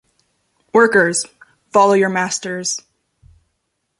Workers, Follow your masters!